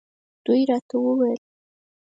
دوی راته وویل.